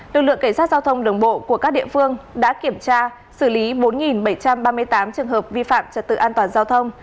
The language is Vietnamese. lực lượng cảnh sát giao thông đường bộ của các địa phương đã kiểm tra xử lý bốn bảy trăm ba mươi tám trường hợp vi phạm trật tự an toàn giao thông